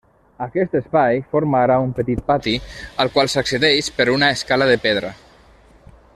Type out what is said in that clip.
Aquest espai forma ara un petit pati, al qual s'accedeix per una escala de pedra.